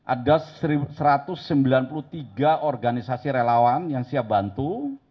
ada satu ratus sembilan puluh tiga organisasi relawan yang siap bantu